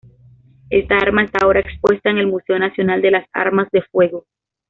Esta arma está ahora expuesta en el Museo Nacional de las Armas de Fuego.